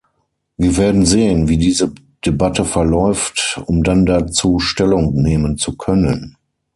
Wir werden sehen, wie diese Debatte verläuft, um dann dazu Stellung nehmen zu können.